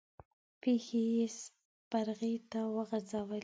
پښې يې سپرغې ته وغزولې.